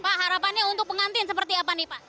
pak harapannya untuk pengantin seperti apa nih pak